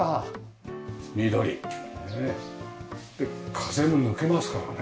風も抜けますからね。